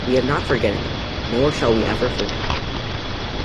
We have not forgotten them, nor shall we ever forget.